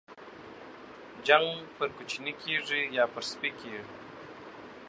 جنگ پر کوچني کېږي ، يا پر سپي.